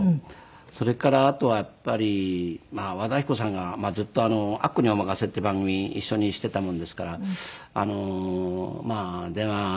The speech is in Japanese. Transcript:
それからあとはやっぱり和田アキ子さんがずっと『アッコにおまかせ！』っていう番組一緒にしていたもんですからまあ電話くださって。